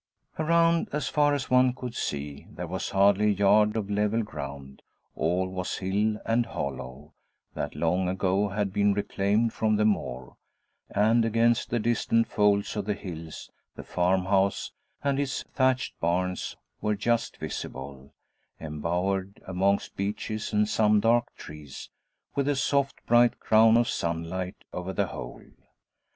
Around, as far as one could see, there was hardly a yard of level ground; all was hill and hollow, that long ago had been reclaimed from the moor; and against the distant folds of the hills the farmhouse and its thatched barns were just visible, embowered amongst beeches and some dark trees, with a soft bright crown of sunlight over the whole.